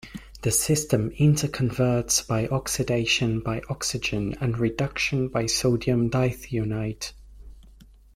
The system interconverts by oxidation by oxygen and reduction by sodium dithionite.